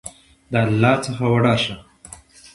د الله څخه وډار شه !